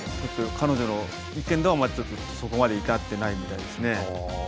彼女の意見ではまだちょっとそこまで至ってないみたいですね。